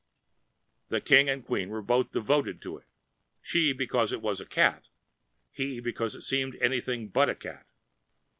The King and Queen were both devoted to it; she because it was a cat, he because it seemed anything but a cat.